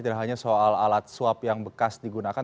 tidak hanya soal alat swab yang bekas digunakan